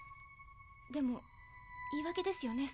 でも言い訳ですよね